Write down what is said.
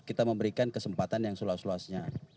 kita memberikan kesempatan yang seluas luasnya